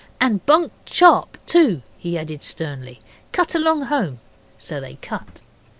'And bunk sharp, too' he added sternly. 'Cut along home.' So they cut.